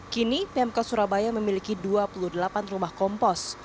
kini pmk surabaya memiliki dua puluh delapan rumah kompos